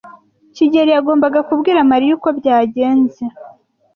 kigeli yagombaga kubwira Mariya uko byagenze.